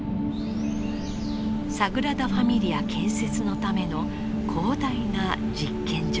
サグラダ・ファミリア建設のための広大な実験場です。